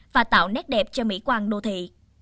và tạo nét đẹp cho mỹ quan đô thị